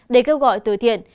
để kêu gọi từ thiện